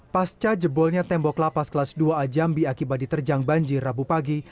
pasca jebolnya tembok lapas kelas dua a jambi akibat diterjang banjir rabu pagi